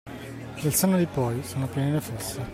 Del senno di poi, sono piene le fosse.